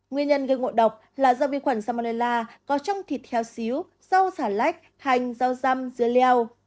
nguyên nhân gây ngộ độc là do vi khuẩn salmonella có trong thịt heo xíu rau xà lách hành rau dăm dưa leo